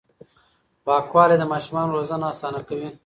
پاکوالي د ماشومانو روزنه اسانه کوي.